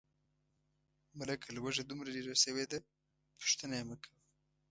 ملکه لوږه دومره ډېره شوې ده، پوښتنه یې مکوه.